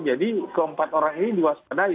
jadi keempat orang ini diwaspadai